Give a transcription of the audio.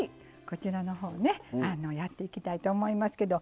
こちらのほうねやっていきたいと思いますけど。